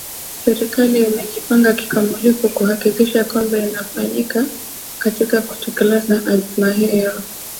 Serikali imejipanga kikamilifu kuhakikisha kwamba inafanikiwa katika kutekeleza azma hiyo